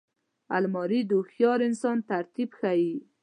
الماري د هوښیار انسان ترتیب ښيي